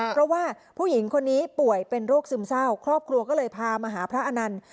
เพราะว่าผู้หญิงคนนี้ป่วยเป็นโรคซึมเศร้าครอบครัวก็เลยพามาหาพระอนันต์